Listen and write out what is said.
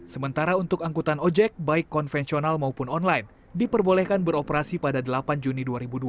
sementara untuk angkutan ojek baik konvensional maupun online diperbolehkan beroperasi pada delapan juni dua ribu dua puluh